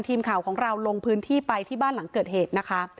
ทีมข่าวของเราลงพื้นที่ไปที่บ้านหลังเกิดเหตุนะคะ